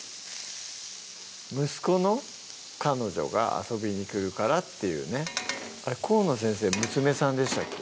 息子の彼女が遊びに来るからっていうね河野先生娘さんでしたっけ？